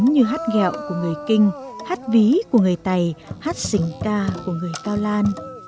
giống như hát ghẹo của người kinh hát ví của người tày hát xình ca của người cao lan